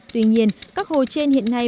tuy nhiên các hồ trên hiện nay